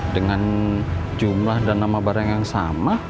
dengan jumlah dan nama barang yang sama